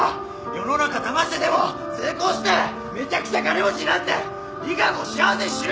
世の中だましてでも成功してめちゃくちゃ金持ちになって利佳子を幸せにしろよ！